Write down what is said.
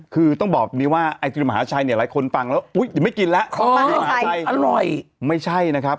คือต้องบอกมันนี้ไอศกรีมมหาชัยหลายคนฝั่งแล้วอุ้ยไม่กินแล้ว